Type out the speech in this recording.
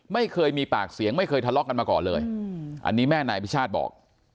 ไม่เคยมีปากเสียงไม่เคยทะเลาะกันมาก่อนเลยอันนี้แม่นายอภิชาติบอก